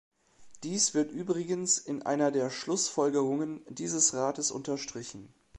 Dies wird übrigens in einer der Schlussfolgerungen dieses Rates unterstrichen.